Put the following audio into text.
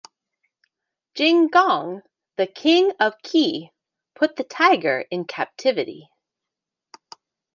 Jing Gong, the King of Qi, put the tiger in captivity.